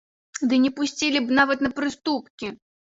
Ды не пусцілі б нават на прыступкі!